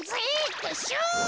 てっしゅう。